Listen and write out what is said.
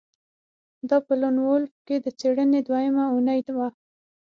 دا په لون وولف کې د څیړنې دویمه اونۍ وه